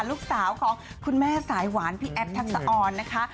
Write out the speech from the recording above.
ลูกสาวของคุณแม่สายหวานพี่แอฟทักษะออนนะคะ